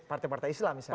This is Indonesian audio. partai partai islam misalnya